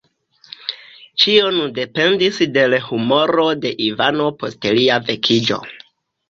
Ĉio nun dependis de l' humoro de Ivano post lia vekiĝo.